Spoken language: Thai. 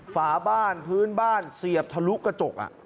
ฝาบ้านพื้นบ้านเสียบทะลุกระจก